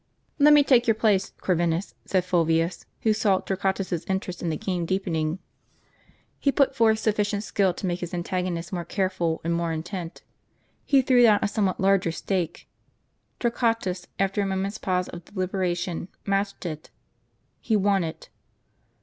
"Let me take your place, Corvinus," said Fulvius, who saw Torquatus's interest in the game deepening. He put forth sufficient skill to make his antagonist more careful and more intent. He threw down a somewhat larger stake. Tor quatus, after a moment's pause of deliberation, matched it. He won it.